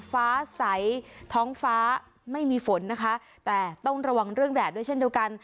ฟ้าใสท้องฟ้าไม่มีฝนนะคะแต่ต้องระวังเรื่องแดดด้วยเช่นเดียวกัน